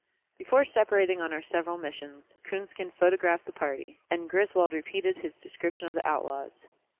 Before separating on our several missions, Coonskin photographed the party, and Griswold repeated his description of the outlaws.